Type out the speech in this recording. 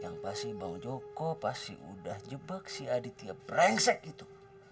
yang pasti bang joko pasti udah jebak si aditya prangsek gitu